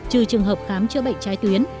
trừ trường hợp khám chữa bệnh trái tuyến